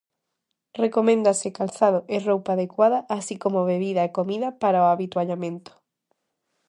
Recoméndase calzado e roupa adecuada, así como bebida e comida para o avituallamento.